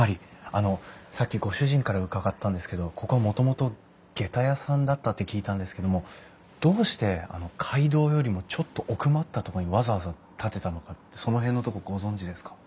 あのさっきご主人から伺ったんですけどここはもともとげた屋さんだったって聞いたんですけどもどうして街道よりもちょっと奥まったとこにわざわざ建てたのかってその辺のとこご存じですか？